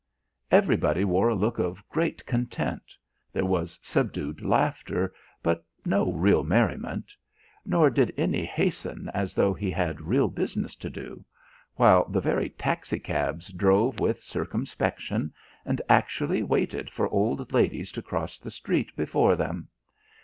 Everybody wore a look of great content there was subdued laughter but no real merriment nor did any hasten as though he had real business to do; while the very taxi cabs drove with circumspection, and actually waited for old ladies to cross the street before them.